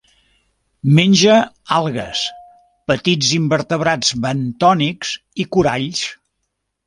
Menja algues, petits invertebrats bentònics i coralls.